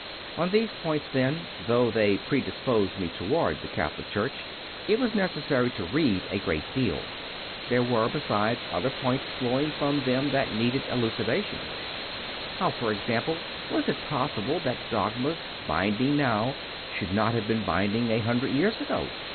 On these points, then, though they predisposed me toward the Catholic Church, it was necessary to read a great deal. There were, besides, other G 98 CONFESSIONS OF A CONVERT points flowing from them that needed elucidation. How, for example, was it possible that dogmas binding now should not have been binding a hundred years ago?